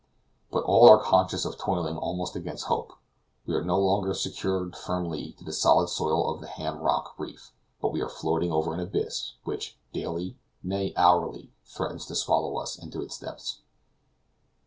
But all are conscious of toiling almost against hope; we are no longer secured firmly to the solid soil of the Ham Rock reef, but we are floating over an abyss which daily, nay hourly, threatens to swallow us into its depths.